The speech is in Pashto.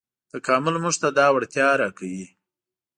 تکامل موږ ته دا وړتیا راکوي.